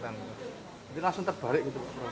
ini langsung terbalik gitu